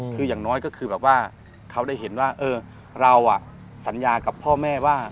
คืออย่างน้อยก็คือแบบว่าเขาได้เห็นว่าเราสัญญากับพ่อแม่ว่า